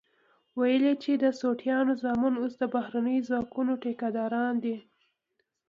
ويل يې چې د سوټيانو زامن اوس د بهرنيو ځواکونو ټيکه داران دي.